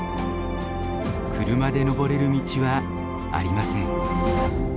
車で登れる道はありません。